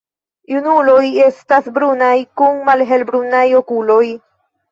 Junuloj estas brunaj kun malhelbrunaj okuloj.